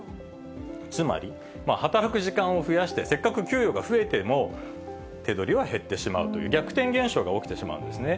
つまり働く時間を増やして、せっかく給与が増えても、手取りは減ってしまうという、逆転現象が起きてしまうんですね。